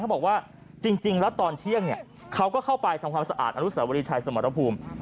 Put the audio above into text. บอกว่าจริงแล้วตอนเที่ยงเขาก็เข้าไปทำความสะอาดอนุสาวรีชัยสมรภูมิ